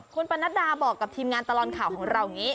คุณปนัดดาบอกกับทีมงานตลอดข่าวของเราอย่างนี้